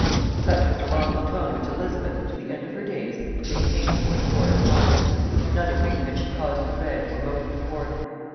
Such was the lofty tone which Elizabeth, to the end of her days, maintained towards foreign powers; none of whom had she cause to dread or motive to court.